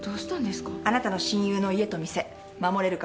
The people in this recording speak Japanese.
あなたの親友の家と店守れるかもしれないの。